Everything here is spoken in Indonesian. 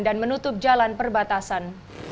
dan menutup jalan perbatasan